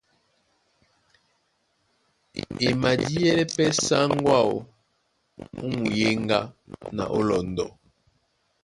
E madíɛlɛ́ pɛ́ sáŋgó áō ó muyéŋgá na ó lɔndɔ.